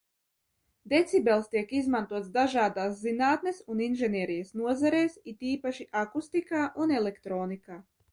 Decibels tiek izmantots dažādās zinātnes un inženierijas nozarēs, it īpaši akustikā un elektronikā.